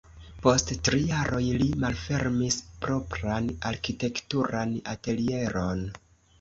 Post tri jaroj li malfermis propran arkitekturan atelieron.